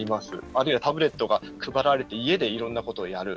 あるいはタブレットが配られて家でいろんなことをやる。